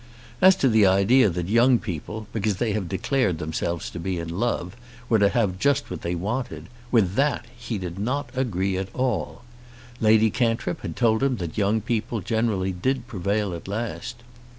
As to the idea that young people, because they have declared themselves to be in love, were to have just what they wanted, with that he did not agree at all. Lady Cantrip had told him that young people generally did prevail at last.